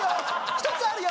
１つあるよ！